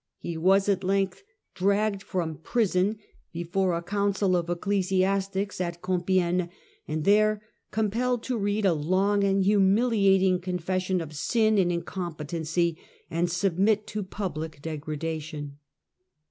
He was at length dragged from prison before a council of Council of ecclesiastics at Compiegne and there compelled to read Dmpi gue a long and humiliating confession of sin and incom petency and submit to public degradation.